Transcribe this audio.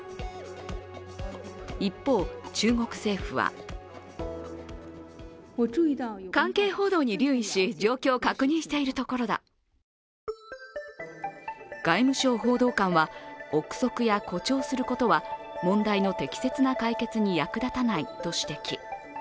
一方、中国政府は外務省報道官は憶測や誇張することは問題の適切な解決に役立たないと指摘。